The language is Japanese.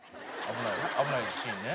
危ないシーンね。